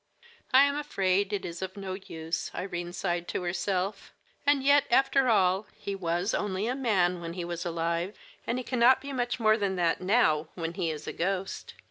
"I am afraid that it is of no use," Irene sighed to herself; "and yet, after all, he was only a man when he was alive, and he cannot be much more than that now when he is a ghost."